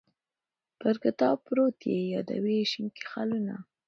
پر کتاب پروت یې یادوې شینکي خالونه